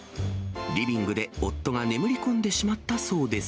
リビングで夫が眠り込んでしまったそうです。